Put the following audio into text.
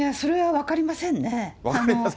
分かりません。